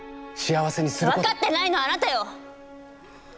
分かってないのはあなたよ！